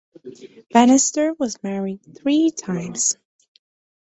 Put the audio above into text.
Banister was married three times.